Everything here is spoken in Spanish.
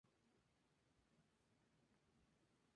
Estudió en Urbino y enseñó matemática en diversas ciudades italianas.